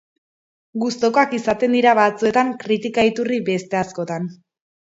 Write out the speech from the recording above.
Gustukoak izaten dira batzuetan, kritika-iturri beste askotan.